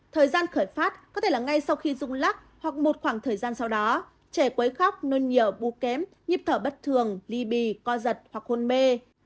thời gian khởi phát có thể là ngay sau khi rung lắc hoặc một khoảng thời gian sau đó trẻ quấy khóc nôn nhiều bú kém nhịp thở bất thường ly bì co giật hoặc hôn mê